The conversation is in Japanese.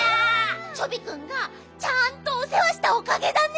チョビくんがちゃんとおせわしたおかげだね。